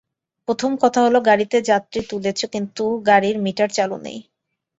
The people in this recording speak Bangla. প্রথম কথা হলো, গাড়িতে যাত্রী তুলেছো কিন্তু গাড়ির মিটার চালু নেই।